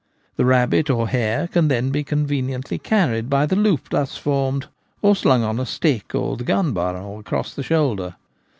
The rabbit or hare can then be conveniently carried by the loop thus formed, or slung on a stick or the gun barrel across the shoulder.